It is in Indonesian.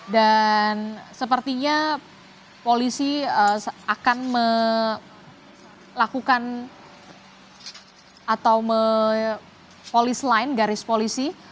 dan sepertinya polisi akan melakukan atau polis line garis polisi